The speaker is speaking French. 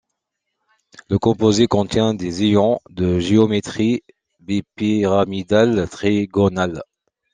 Le composé contient des ions de géométrie bipyramidale trigonale.